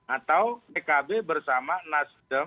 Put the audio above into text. atau pkb bersama nasdem dua partai cukup